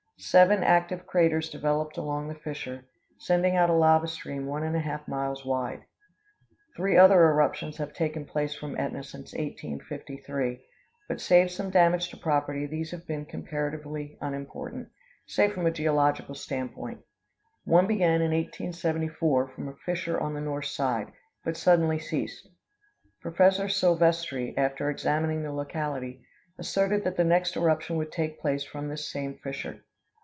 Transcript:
Seven active craters developed along the fissure, sending out a lava stream one and one half miles wide. Three other eruptions have taken place from Ætna since 1853; but, save some damage to property, these have been comparatively unimportant, save from a geological standpoint. One began in 1874 from a fissure on the north side, but suddenly ceased. Prof. Silvestri, after examining the locality, asserted that the next eruption would take place from this same fissure.